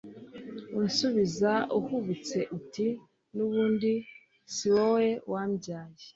unsubiza uhubutse uti “ n'ubundi si wowe wambyaye